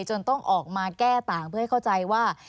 จนต้องออกมาแก้ต่างเพื่อให้เข้าใจว่า